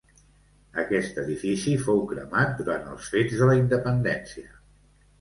Aquest edifici fou cremat durant els fets de la Independència.